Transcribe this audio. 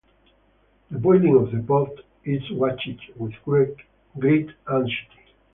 The boiling of the pot is watched with great anxiety.